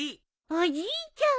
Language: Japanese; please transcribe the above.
おじいちゃん。